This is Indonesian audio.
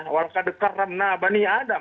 walau karena bani adam